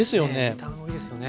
見た目もいいですよね。